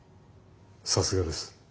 さすがです。